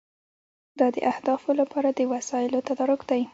دا د اهدافو لپاره د وسایلو تدارک دی.